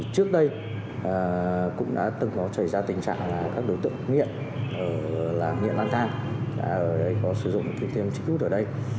trước đây cũng đã từng có trở ra tình trạng là các đối tượng nghiện ở làng nghiện lan thang đã ở đây có sử dụng kim tiêm trích rút ở đây